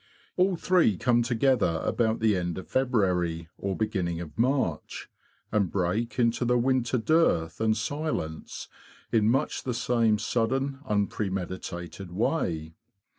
All three come together about the end of February or beginning of March, and break into the winter dearth and silence in much the same _ sudden, unpremeditated way.